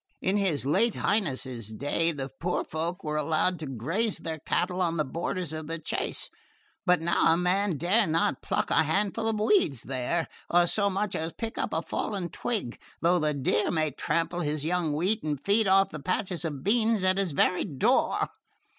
In his late Highness's day the poor folk were allowed to graze their cattle on the borders of the chase; but now a man dare not pluck a handful of weeds there, or so much as pick up a fallen twig; though the deer may trample his young wheat, and feed off the patch of beans at his very door.